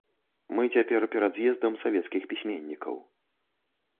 Мы цяпер перад з'ездам савецкіх пісьменнікаў.